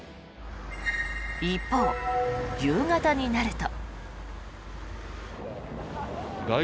一方、夕方になると。